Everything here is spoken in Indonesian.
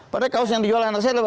padahal kaos yang dijual anak saya